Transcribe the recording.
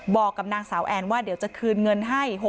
บอกกับนางสาวแอนว่าเดี๋ยวจะคืนเงินให้